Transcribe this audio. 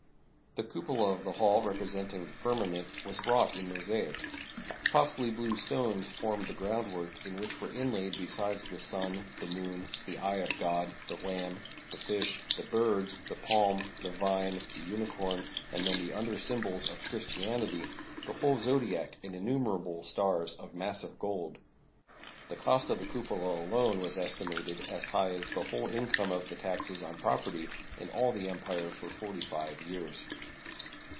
The cupola of the hall, representing the firmament, was wrought in mosaic. Costly blue stones formed the groundwork, in which were inlaid, besides the sun, the moon, the eye of God, the lamb, the fish, the birds, the palm, the vine, the unicorn, and many other sjrm bols of Christianity, the whole zodiac and innumerable stars of massive gold. The cost of the cupola alone was estimated as high as the whole income of the taxes on property in all the em pire for forty five years.